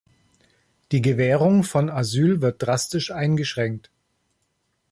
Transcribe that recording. Die Gewährung von Asyl wird drastisch eingeschränkt.